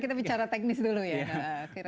kita bicara teknis dulu ya